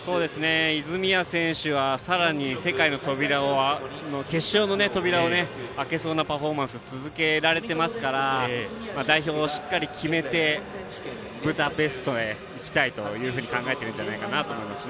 泉谷選手はさらに世界の決勝の扉を開けそうなパフォーマンスが続けられていますから代表をしっかり決めてブダペストへ行きたいと考えていると思います。